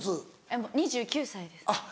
もう２９歳です。